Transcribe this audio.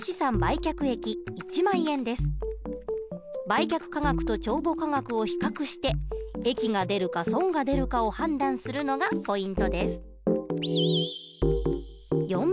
売却価額と帳簿価額を比較して益が出るか損が出るかを判断するのがポイントです。